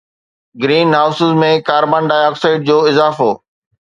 green houses ۾ carbon dioxide جو اضافو